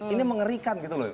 ini mengerikan gitu loh